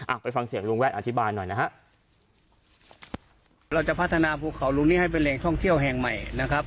ไปฟังเสียงลุงแวดอธิบายหน่อยนะฮะเราจะพัฒนาภูเขาลุงนี้ให้เป็นแหล่งท่องเที่ยวแห่งใหม่นะครับ